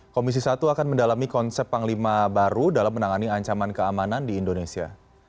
komisi satu akan mendalami konsep panglima baru dalam menangani ancaman keamanan di indonesia